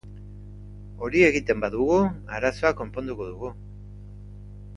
Hori egiten badugu, arazoa konponduko dugu.